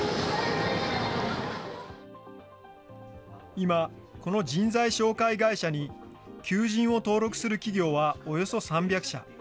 今、この人材紹介会社に求人を登録する企業はおよそ３００社。